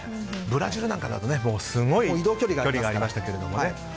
ブラジルなんかだとすごい距離がありましたけどね。